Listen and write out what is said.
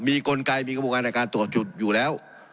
มีกลไกมีกระบวนการในการตรวจจุดอยู่แล้ว